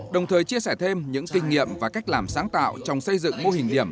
đồng thời chia sẻ thêm những kinh nghiệm và cách làm sáng tạo trong xây dựng mô hình điểm